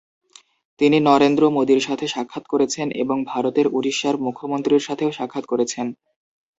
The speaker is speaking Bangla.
তিনি নরেন্দ্র মোদীর সাথে সাক্ষাৎ করেছেন এবং ভারতের উড়িষ্যার মুখ্যমন্ত্রীর সাথেও সাক্ষাৎ করেছেন।